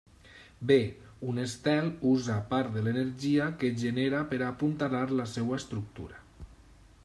Bé, un estel usa part de l'energia que genera per a apuntalar la seva estructura.